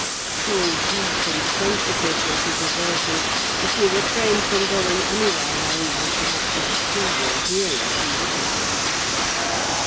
So deep and sensitive was his aversion, that he refrained from going anywhere where he was likely to see or hear of Heathcliff.